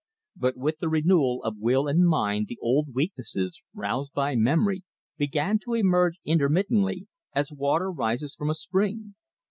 But with the renewal of will and mind the old weaknesses, roused by memory, began to emerge intermittently, as water rises from a spring.